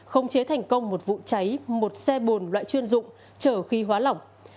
không chế thành công một vụ cháy một xe bồn loại chuyên dụng chở khí hóa lỏng